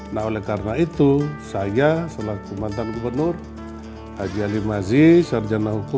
nah oleh karena itu saya selaku mantan gubernur haji alim aziz sarjana hukum